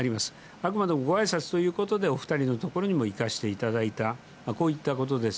あくまでもごあいさつということで、お２人の所にも行かせていただいた、こういったことです。